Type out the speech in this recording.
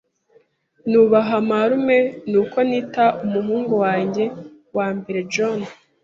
Nubaha marume, nuko nita umuhungu wanjye wambere John.